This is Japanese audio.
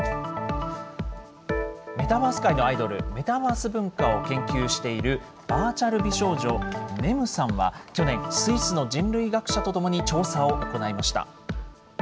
メタバース界のアイドル、メタバース文化を研究しているバーチャル美少女ねるさんは、去年、スイスの人類学者と共に調査を行いました。